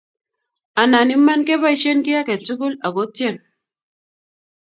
anan Iman keboishen kiiy age tugul ago tyen